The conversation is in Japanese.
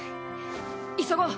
急ごう。